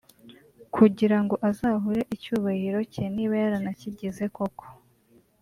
kugirango azahure icyubahiro cye (niba yaranakigize koko